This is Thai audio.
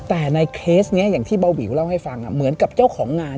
แต่ในเคสนี้อย่างที่เบาวิวเล่าให้ฟังเหมือนกับเจ้าของงาน